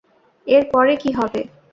এর পরে কী হবে?